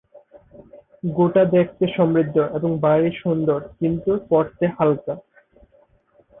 গোটা দেখতে সমৃদ্ধ এবং ভারি সুন্দর কিন্তু পরতে হালকা।